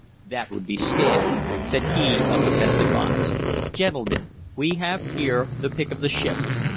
"That would be scanned," said he of the pensive eyes. "Gentlemen, we have here the pick of the ship.